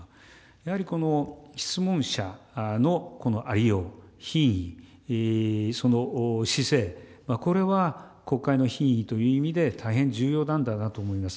やはり質問者のありよう、品位、その姿勢、これは国会の品位という意味で大変重要なんだろうなと思います。